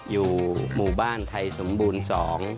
อยู่หมู่บ้านไทยสมบูรณ์สอง